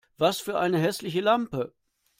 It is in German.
Was für eine hässliche Lampe!